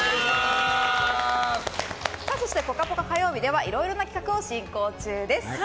そして「ぽかぽか」火曜日ではいろいろな企画を進行中です。